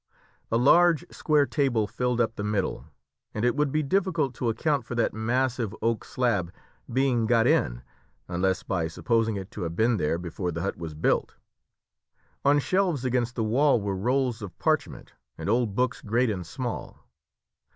A large square table filled up the middle, and it would be difficult to account for that massive oak slab being got in unless by supposing it to have been there before the hut was built. On shelves against the wall were rolls of parchment, and old books great and small.